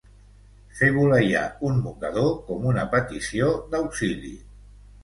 Fer voleiar un mocador com una petició d’auxili.